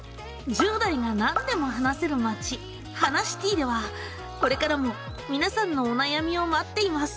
「１０代がなんでも話せる街ハナシティ」ではこれからもみなさんのお悩みを待っています。